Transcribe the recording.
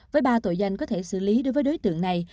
với ba tội danh có thể xử lý đối với đối tượng này